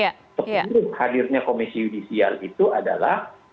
keputusan hadirnya komisi judisial itu adalah